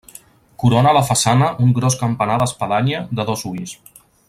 Corona la façana un gros campanar d'espadanya de dos ulls.